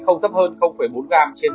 không tấp hơn bốn gram trên một trăm linh ml